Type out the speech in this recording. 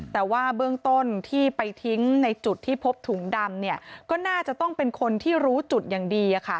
แต่ว่าเบื้องต้นที่ไปทิ้งในจุดที่พบถุงดำก็น่าจะต้องเป็นคนที่รู้จุดอย่างดี